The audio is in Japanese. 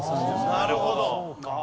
なるほど！